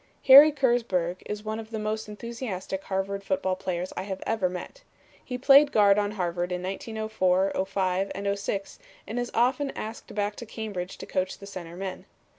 Harry Kersburg is one of the most enthusiastic Harvard football players I have ever met. He played guard on Harvard in 1904, '05 and '06 and is often asked back to Cambridge to coach the center men.